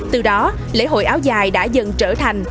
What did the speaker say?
từ đó lễ hội áo dài đã dần trở thành